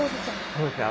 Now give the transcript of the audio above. そうですね